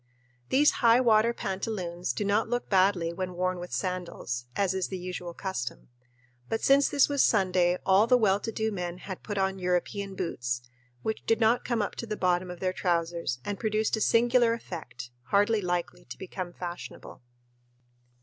These "high water" pantaloons do not look badly when worn with sandals, as is the usual custom; but since this was Sunday all the well to do men had put on European boots, which did not come up to the bottom of their trousers and produced a singular effect, hardly likely to become fashionable.